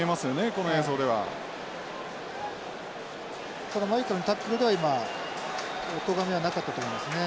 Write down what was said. このマイケルのタックルでは今おとがめはなかったと思いますね。